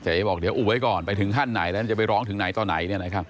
บอกเดี๋ยวอุบไว้ก่อนไปถึงขั้นไหนแล้วจะไปร้องถึงไหนต่อไหน